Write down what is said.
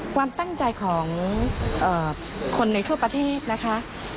ความตั้งใจของคนในทั่วประเทศนะคะ